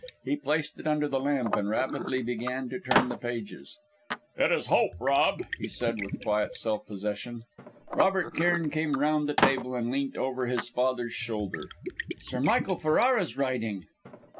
He placed it under the lamp, and rapidly began to turn the pages. "It is hope, Rob!" he said with quiet self possession. Robert Cairn came round the table, and leant over his father's shoulder. "Sir Michael Ferrara's writing!"